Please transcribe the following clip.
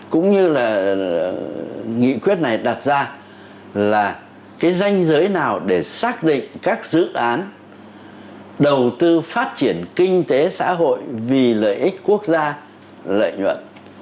cũng như là nghị quyết này đặt ra là cái danh giới nào để xác định các dự án đầu tư phát triển kinh tế xã hội vì lợi ích quốc gia lợi nhuận